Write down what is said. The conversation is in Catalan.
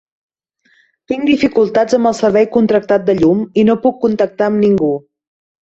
Tinc dificultats amb el servei contractat de llum i no puc contactar amb ningú.